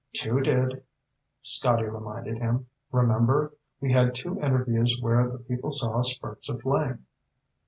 "Two did," Scotty reminded him. "Remember? We had two interviews where the people saw spurts of flame."